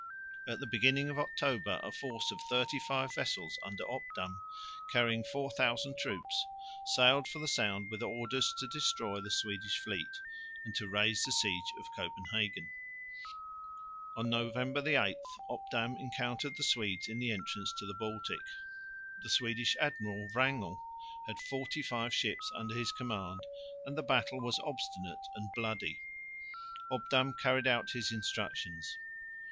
At the beginning of October a force of thirty five vessels under Obdam carrying 4000 troops sailed for the Sound with orders to destroy the Swedish fleet, and to raise the siege of Copenhagen. On November 8 Obdam encountered the Swedes in the entrance to the Baltic. The Swedish admiral Wrangel had forty five ships under his command, and the battle was obstinate and bloody. Obdam carried out his instructions.